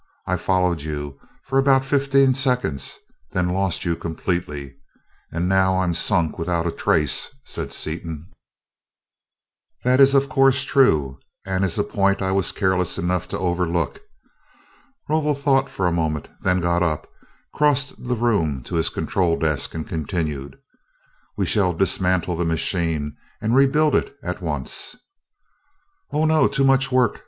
I followed you for about fifteen seconds, then lost you completely; and now I'm sunk without a trace," said Seaton. "That is, of course, true, and is a point I was careless enough to overlook." Rovol thought for a moment, then got up, crossed the room to his control desk, and continued, "We shall dismantle the machine and rebuild it at once." "Oh no too much work!"